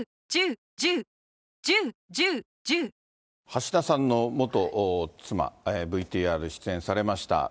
橋田さんの元妻、ＶＴＲ出演されました。